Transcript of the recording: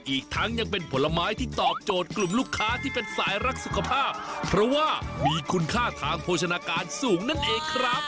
อีกทั้งยังเป็นผลไม้ที่ตอบโจทย์กลุ่มลูกค้าที่เป็นสายรักสุขภาพเพราะว่ามีคุณค่าทางโภชนาการสูงนั่นเองครับ